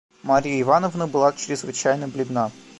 Марья Ивановна была чрезвычайно бледна.